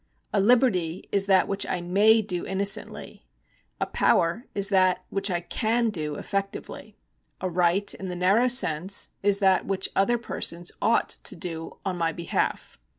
A liberty is that which I may do inno cently ; a power is that which I can do effectively ; a right in the narrow sense is that which other persons oucjld to do on my behalf.